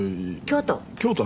京都？